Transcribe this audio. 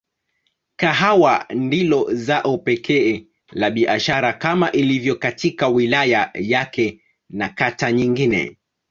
Kahawa ndilo zao pekee la biashara kama ilivyo katika wilaya yake na kata nyingine.